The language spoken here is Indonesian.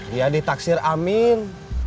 dia ditaksir amin